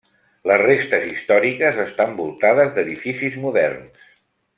Les restes històriques estan voltades d'edificis moderns.